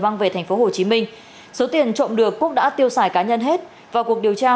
mang về thành phố hồ chí minh số tiền trộm được quốc đã tiêu xài cá nhân hết vào cuộc điều tra